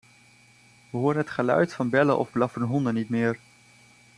We horen het geluid van bellen of blaffende honden niet meer.